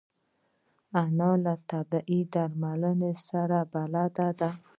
انا له طبیعي درملو سره بلد ده